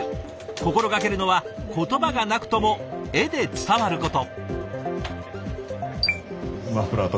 心掛けるのは言葉がなくとも画で伝わること。